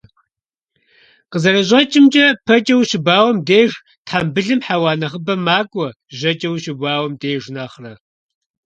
КъызэрыщӀэкӀымкӀэ, пэкӀэ ущыбауэм деж тхьэмбылым хьэуа нэхъыбэ макӀуэ, жьэкӀэ ущыбауэм деж нэхърэ.